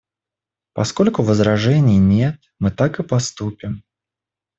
Поскольку возражений нет, мы так и поступим.